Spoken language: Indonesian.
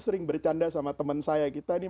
sering bercanda sama teman saya kita ini